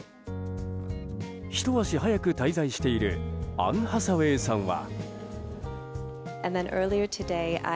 ひと足早く滞在しているアン・ハサウェイさんは。